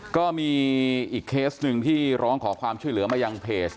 ก็มีอีกเคสหนึ่งที่ร้องขอความช่วยเหลือมายังเพจ